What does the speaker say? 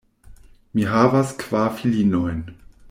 Mi havas kvar filinojn.